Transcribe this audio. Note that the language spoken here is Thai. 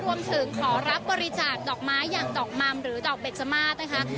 รวมถึงขอรับบริจาคดอกไม้อย่างดอกมัมหรือดอกเบ็จมาสนะคะ